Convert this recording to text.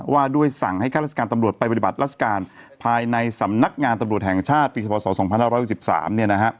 ว่าด้วยสั่งให้คลาสการตำรวจไปบริบัติรัฐการณ์ภายในสำนักงานตำรวจแห่งชาติปศาสตร์๒๕๖๓